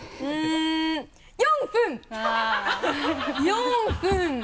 ４分。